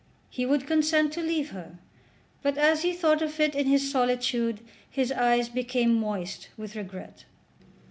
He would consent to leave her; but, as he thought of it in his solitude, his eyes became moist with regret.